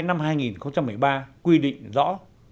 năm hai nghìn một mươi ba quy định rõ